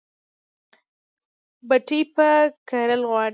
پټی به کرل غواړي